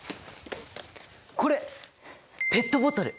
これペットボトル！